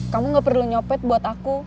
kamu gak perlu nyopet buat aku